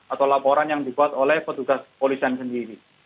atau laporan yang dibuat oleh petugas polisian sendiri